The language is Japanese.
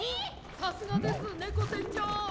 さすがですネコせんちょう！